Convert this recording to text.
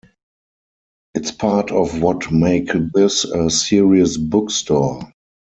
It's part of what make this a serious bookstore.